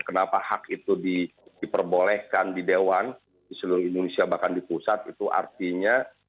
kenapa hak itu diperbolehkan di dewan di seluruh indonesia bahkan di pusat itu artinya